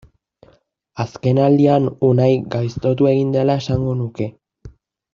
Azkenaldian Unai gaiztotu egin dela esango nuke.